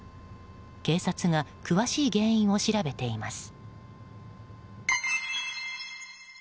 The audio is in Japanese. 警察が詳しい原因を調べています。